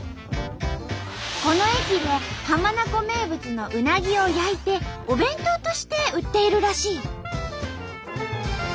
この駅で浜名湖名物のうなぎを焼いてお弁当として売っているらしい。